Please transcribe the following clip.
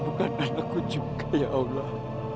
lahirnya saya menemukan anakku juga ya allah